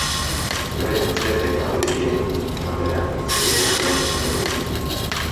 Yoweri Museveni au Idi Amin kabla yake historia ya Uganda imeghubikwa